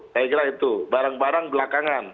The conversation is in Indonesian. saya kira itu barang barang belakangan